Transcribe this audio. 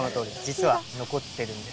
実は残ってるんですよ。